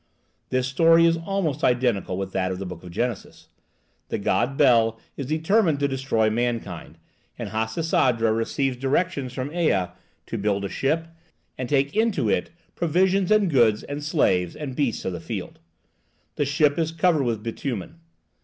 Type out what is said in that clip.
This story is almost identical with that of the Book of Genesis. The God Bel is determined to destroy mankind, and Hasisadra receives directions from Ea to build a ship, and take into it provisions and goods and slaves and beasts of the field. The ship is covered with bitumen.